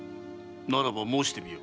ならば申してみよ。